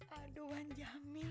aduh wan jamil